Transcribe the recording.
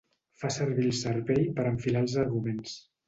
Fa servir el cervell per enfilar els arguments.